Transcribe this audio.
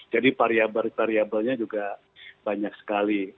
jadi variabel variabelnya juga banyak sekali